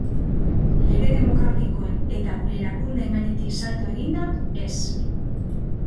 Lege demokratikoen eta gure erakundeen gainetik salto eginda, ez.